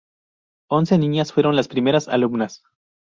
Once niñas fueron las primeras alumnas.